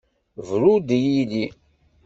Bru-d i yilli!